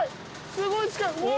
すごい近いうわ！